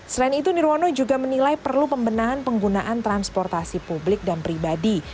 selain itu nirwono juga menilai perlu pembenahan penggunaan transportasi publik dan pribadi